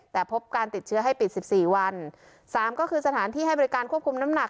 แต่พบการติดเชื้อให้ปิดสิบสี่วันสามก็คือสถานที่ให้บริการควบคุมน้ำหนัก